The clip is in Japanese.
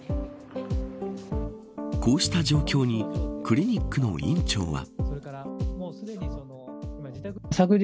こうした状況にクリニックの院長は。